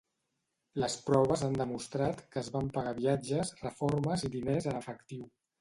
Les proves han demostrat que es van pagar viatges, reformes i diners en efectiu.